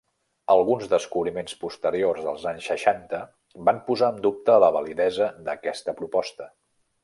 Alguns descobriments posteriors als anys seixanta van posar en dubte la validesa d'aquesta proposta.